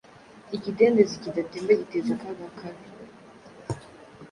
Ikidendezi kidatemba giteza akaga kabi